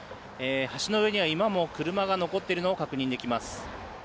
橋の上には今も車が残っているのを確認できます。